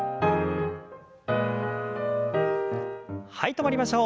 止まりましょう。